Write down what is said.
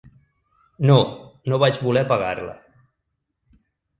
No, no vaig voler pagar-la.